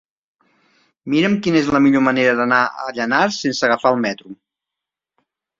Mira'm quina és la millor manera d'anar a Llanars sense agafar el metro.